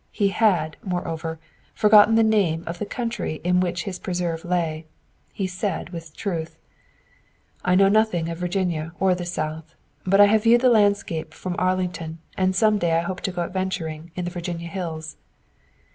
He had, moreover, forgotten the name of the county in which his preserve lay. He said, with truth: "I know nothing of Virginia or the South; but I have viewed the landscape from Arlington and some day I hope to go adventuring in the Virginia hills."